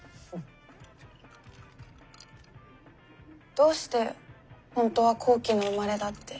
どうして本当は高貴の生まれだって。